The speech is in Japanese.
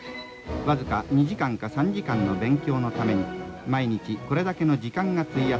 僅か２時間か３時間の勉強のために毎日これだけの時間が費やされるのです。